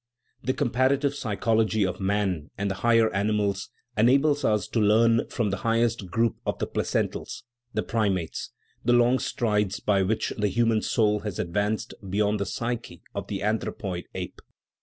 The comparative psychology of man and the higher animals enables us to learn from the highest group of the placentals, the primates, the long strides by which the human soul has advanced beyond the psyche of the anthropoid ape.